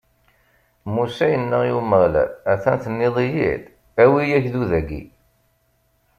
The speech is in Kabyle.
Musa yenna i Umeɣlal: A-t-an tenniḍ-iyi-d: Awi agdud-agi!